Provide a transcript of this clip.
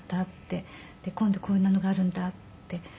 で「今度こんなのがあるんだ」って。